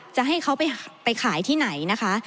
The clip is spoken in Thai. จะให้เขาไปขายที่ไหนนะคะ